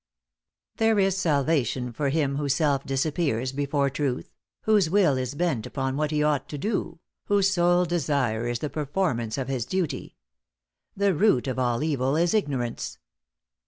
"There is salvation for him whose self disappears before truth, whose will is bent upon what he ought to do, whose sole desire is the performance of his duty. The root of all evil is ignorance."